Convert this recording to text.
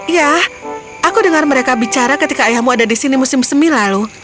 ya aku dengar mereka bicara ketika ayahmu ada di sini musim semi lalu